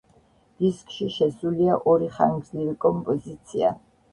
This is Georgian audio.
დისკში შესულია ორი ხანგრძლივი კომპოზიცია.